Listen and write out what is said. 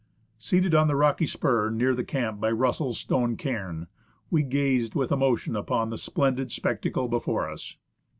Seated on the rocky spur near the camp by Russell's stone cairn, we gaze with emotion upon the splendid spectacle before us.